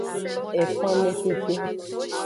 Ekanmetete.